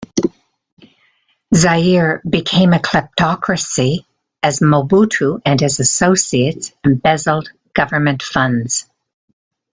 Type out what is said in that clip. Zaire became a "kleptocracy" as Mobutu and his associates embezzled government funds.